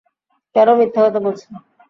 কেন মিথ্যা কথা বলছো?